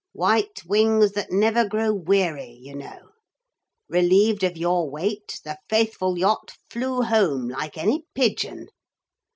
White wings that never grow weary, you know. Relieved of your weight, the faithful yacht flew home like any pigeon.'